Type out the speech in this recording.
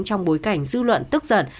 trong bối cảnh dư luận tức giận